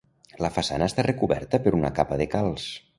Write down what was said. La façana està recoberta per una capa de calç.